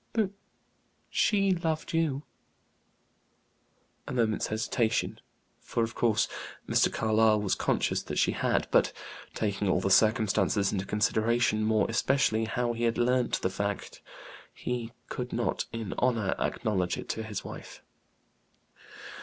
"But she loved you." A moment's hesitation; for, of course, Mr. Carlyle was conscious that she had; but, taking all the circumstances into consideration, more especially how he learnt the fact, he could not, in honor, acknowledge it to his wife.